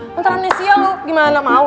menteranasi ya lo gimana mau